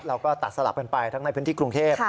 เราก็ตัดสลับกันไปทั้งในพื้นที่กรุงเทพ